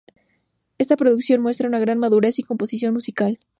Esta producción muestra una gran madurez y composición musical.